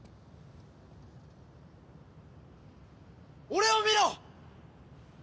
俺を見ろ！